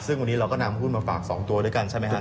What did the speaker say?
ซึ่งวันนี้เราก็นำหุ้นมาฝาก๒ตัวด้วยกันใช่ไหมครับ